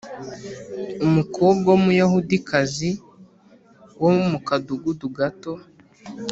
umukobwa w’umuyahudikazi wo mu kadugudu gato